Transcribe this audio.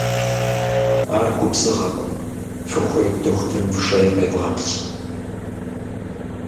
Ар губзыгъэкъым, фыхуейм дохутырым фшэи къевгъэплъ.